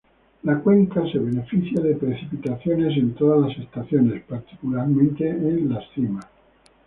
La cuenca se beneficia de precipitaciones en todas las estaciones, particularmente en las cimas.